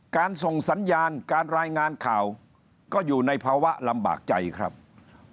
ส่งสัญญาณการรายงานข่าวก็อยู่ในภาวะลำบากใจครับ